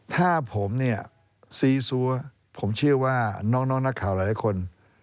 ถ้าผมเนี่ยซีซัวผมเชื่อว่าน้องนักข่าวหลายคน